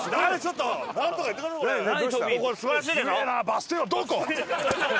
バス停はどこ！？